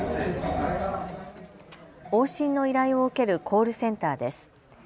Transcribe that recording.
往診の依頼を受けるコールセンターです。